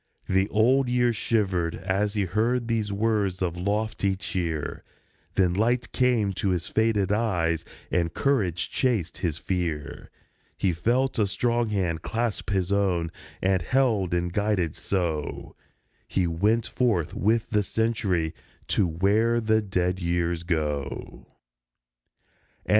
The Old Year shivered as he heard these words of lofty cheer ; Then light came to his faded eyes, and courage chased his fear. He felt a strong hand clasp his own, and, held and guided so, He went forth with the Century to where the dead Years go 104 A.